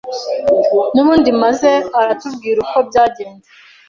nubundi maze aratubwira uko byagenze,